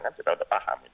kita sudah paham